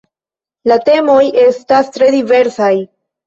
La temoj estas tre diversaj.